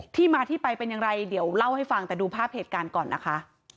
ที่มาที่ไปเป็นอย่างไรเดี๋ยวเล่าให้ฟังแต่ดูภาพเหตุการณ์ก่อนนะคะ